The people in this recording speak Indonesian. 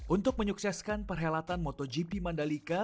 untuk menyukseskan perhelatan motogp mandalika